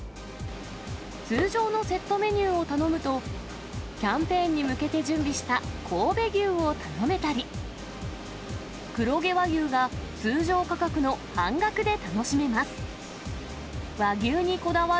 通常のセットメニューを頼むと、キャンペーンに向けて準備した神戸牛を頼めたり、黒毛和牛が通常価格の半額で楽しめます。